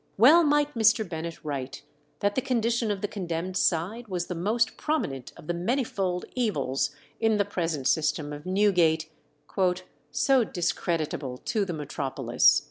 Well might Mr. Bennet write that the condition of the condemned side was the most prominent of the manifold evils in the present system of Newgate, "so discreditable to the metropolis."